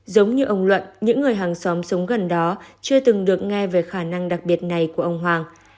giống như ông luận những người hàng xóm sống gần đó chưa từng được nghe về khả năng đặc biệt này của ông hoàng